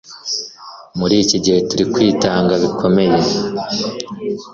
muri iki gihe turi kwitanga bikomeye :